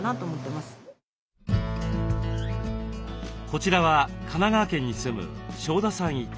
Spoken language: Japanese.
こちらは神奈川県に住む庄田さん一家。